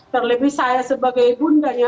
terlebih saya sebagai ibundanya